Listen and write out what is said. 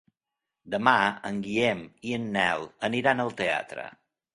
Demà en Guillem i en Nel aniran al teatre.